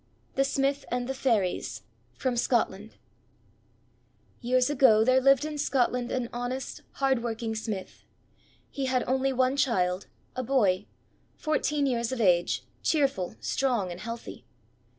THE SMITH AND THE FAIRIES From Scotland Years ago there lived in Scotland an honest, hard working smith. He had only one child, a boy, fourteen years of age, cheerful, strong, and healthy.